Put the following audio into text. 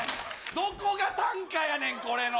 どこがたんかやねん、これの。